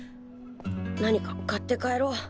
何か買って帰ろう。